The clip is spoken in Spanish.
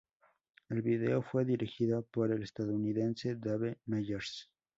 El vídeo fue dirigido por el estadounidense Dave Meyers.